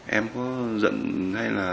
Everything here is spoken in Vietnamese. em có giận hay là